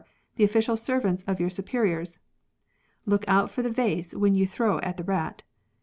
The official servants of your superiors. [Look out for the vase when you throw at the rat.